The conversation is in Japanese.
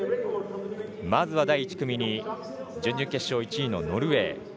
まずは第１組に準々決勝１位のノルウェー。